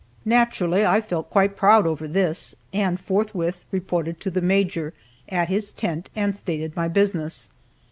Naturally I felt quite proud over this, and forthwith reported to the Major, at his tent, and stated my business.